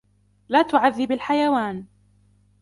لَا تُعَذِّبْ الْحَيَوَانَ.